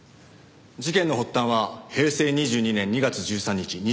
事件の発端は平成２２年２月１３日２１時。